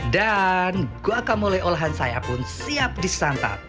dan guacamole olahan saya pun siap disantap